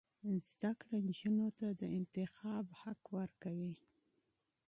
زده کړه نجونو ته د انتخاب حق ورکوي.